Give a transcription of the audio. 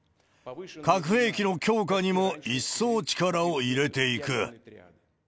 核兵器の強化にも一層力を入れていく。